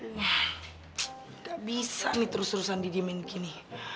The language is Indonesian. nggak bisa nih terus terusan didiemin gini